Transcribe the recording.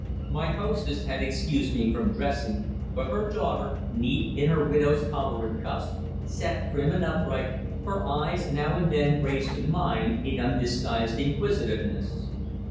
My hostess had excused me from dressing, but her daughter, neat in her widow's collar and cuffs, sat prim and upright, her eyes now and then raised to mine in undisguised inquisitiveness.